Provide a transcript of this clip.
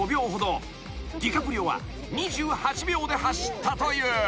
［ディカプリオは２８秒で走ったという］